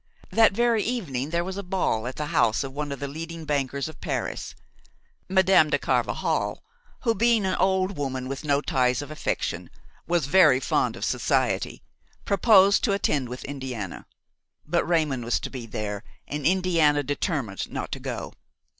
That very evening there was a ball at the house of one of the leading bankers of Paris. Madame de Carvajal, who, being an old woman with no ties of affection, was very fond of society, proposed to attend with Indiana; but Raymon was to be there and Indiana determined not to go.